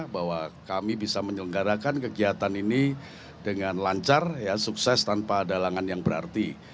bahwa kami bisa menyelenggarakan kegiatan ini dengan lancar sukses tanpa dalangan yang berarti